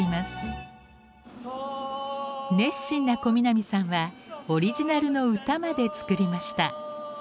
熱心な小南さんはオリジナルの歌まで作りました。